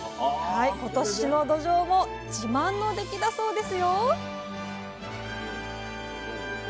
今年のどじょうも自慢の出来だそうですよ！